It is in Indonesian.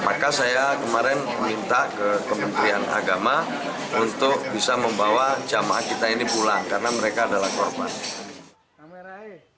maka saya kemarin minta ke kementerian agama untuk bisa membawa jamaah kita ini pulang karena mereka adalah korban